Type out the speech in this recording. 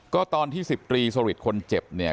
ก็ตอนที่๑๐ตรีสริทคนเจ็บเนี่ย